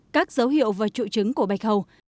các dấu hiệu và trụ trứng của bạch hầu